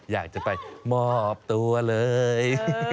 อยากจะไปมอบตัวเลย